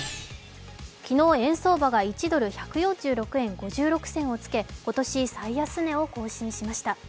昨日、円相場が１ドル＝１４６円５６銭をつけ、今年最安値を更新しました。